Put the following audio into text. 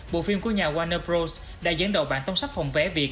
bộ phim của nhà warner bros đã dẫn đầu bản tông sắp phòng vé việt